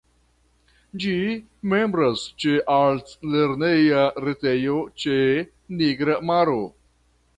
Ĝi membras ĉe altlerneja retejo ĉe Nigra maro.